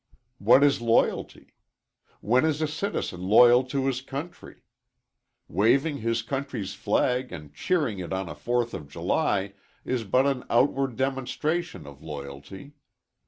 What is loyalty? When is a citizen loyal to his country? Waving his country's flag and cheering it on a Fourth of July is but an outward demonstration of loyalty.